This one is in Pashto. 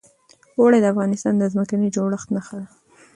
اوړي د افغانستان د ځمکې د جوړښت نښه ده.